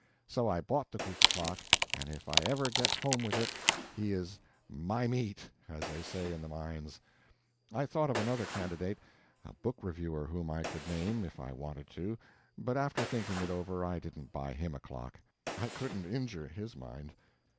So I bought the cuckoo clock; and if I ever get home with it, he is "my meat," as they say in the mines. I thought of another candidate a book reviewer whom I could name if I wanted to but after thinking it over, I didn't buy him a clock. I couldn't injure his mind.